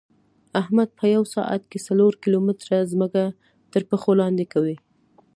احمد په یوه ساعت کې څلور کیلو متېره ځمکه ترپښو لاندې کوي.